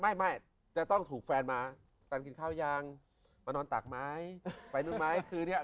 ไม่ไม่จะต้องถูกแฟนมาตันกินข้าวยังมานอนตักไหมไปนู่นไหมคือเนี้ย